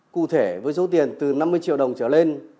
cụ thể với số tiền từ năm mươi triệu đồng trở lên